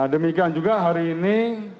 demikian juga hari ini